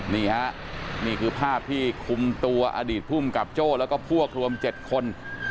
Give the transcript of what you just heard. นี่ฮะนี่คือภาพที่คุมตัวอดีตภูมิกับโจ้แล้วก็พวกรวม๗คน